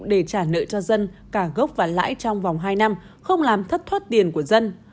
để trả nợ cho dân cả gốc và lãi trong vòng hai năm không làm thất thoát tiền của dân